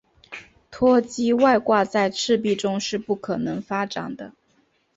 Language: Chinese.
脱机外挂在赤壁中是不可能发展的。